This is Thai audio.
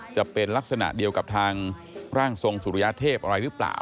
จะเป็นลักษณะเดียวกับทางร่างทรงสุริยเทพอะไรหรือเปล่า